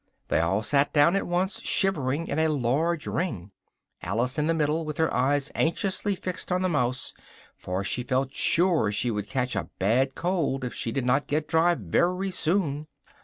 They all sat down at once, shivering, in a large ring, Alice in the middle, with her eyes anxiously fixed on the mouse, for she felt sure she would catch a bad cold if she did not get dry very soon.